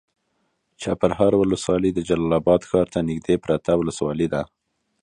چپرهار ولسوالي د جلال اباد ښار ته نږدې پرته ولسوالي ده.